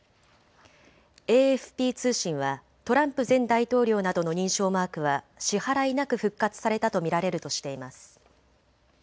ＡＦＰ通信はトランプ前大統領などの認証マークは支払いなく復活されたと見られるとしています。